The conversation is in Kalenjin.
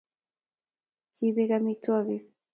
kibek amitwogik